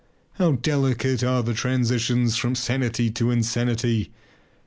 How delicate are the transitions from sanity to insanity!